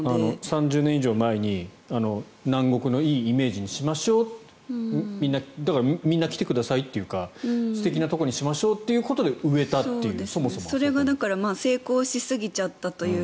３０年以上前に南国のいいイメージにしましょう皆来てくださいというか素敵なところにしましょうという意味で植えたという。